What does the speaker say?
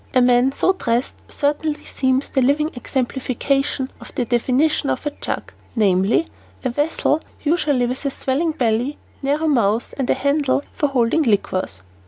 A man so dressed certainly seems the living exemplification of the definition of a jug, namely, "a vessel usually with a swelling belly, narrow mouth, and a handle, for holding liquors."